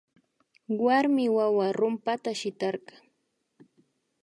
Warmi wawa rumpata shitarka